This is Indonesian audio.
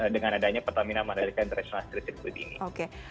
dengan adanya pertamina madaika internasional sirkuit ini